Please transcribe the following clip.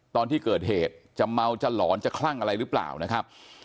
ตอนที่เกิดเหตุจะเมาจะหลอนจะคลั่งอะไรหรือเปล่านะครับ